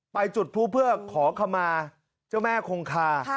ไปจุดพลุเพื่อขอคำมาเจ้าแม่คงคา